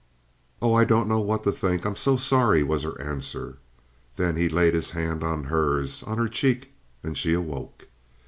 "Oh, I don't know what to think. I'm so sorry," was her answer. Then he laid his hand on hers, on her cheek, and she awoke.